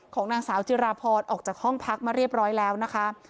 ของนางสาวจิราพรออกจากห้องพักมาเรียบร้อยแล้วนะคะ